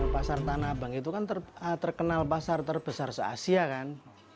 pasar tanah abang itu kan terkenal pasar terbesar se asia kan